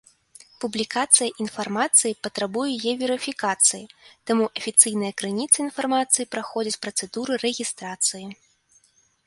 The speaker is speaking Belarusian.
Публікацыя інфармацыі патрабуе яе верыфікацыі, таму афіцыйныя крыніцы інфармацыі праходзяць працэдуру рэгістрацыі.